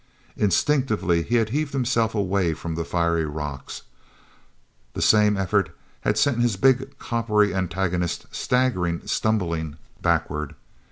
Instinctively he had heaved himself away from the fiery rocks; the same effort had sent his big coppery antagonist staggering, stumbling, backward.